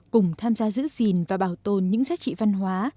cùng tham gia giữ gìn và bảo tồn những giá trị văn hóa